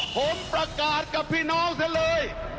ผมประกาศกับพี่น้องซะเลย